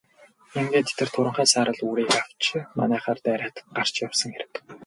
Ингээд тэр туранхай саарал үрээг авч манайхаар дайраад гарч явсан хэрэг.